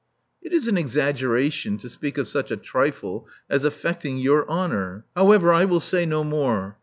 It is an exaggeration to speak of such a trifle as affecting your honor. However, I will say no more.